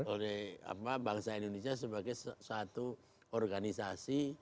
oleh bangsa indonesia sebagai suatu organisasi